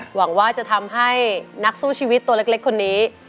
หวังว่าจะทำให้นักสู้ชีวิตตัวเล็กคนนี้